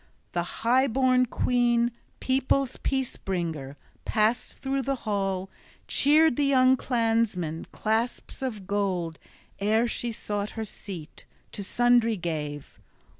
The high born queen, people's peace bringer, passed through the hall, cheered the young clansmen, clasps of gold, ere she sought her seat, to sundry gave.